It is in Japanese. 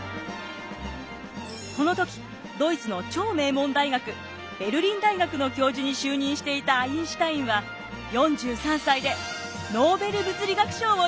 この時ドイツの超名門大学ベルリン大学の教授に就任していたアインシュタインは４３歳でノーベル物理学賞を受賞します。